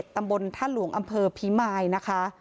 ตำบลท่าหลวงอำเภอพิมายนะคะ